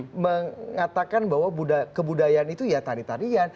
bahkan mengatakan bahwa kebudayaan itu ya tarian